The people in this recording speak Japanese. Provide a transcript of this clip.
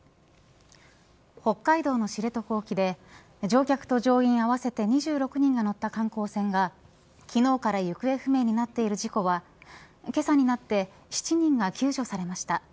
北海道の知床沖で乗客と乗員合わせて２６人が乗った観光船が昨日から行方不明になっている事故はけさになって７人が救助されました。